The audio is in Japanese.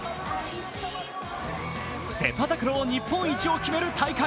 セパタクロー日本一を決める大会。